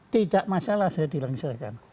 tidak masalah saya dilengsarkan